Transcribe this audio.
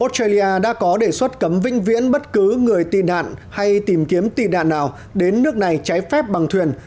australia đã có đề xuất cấm vĩnh viễn bất cứ người tị nạn hay tìm kiếm tì đạn nào đến nước này trái phép bằng thuyền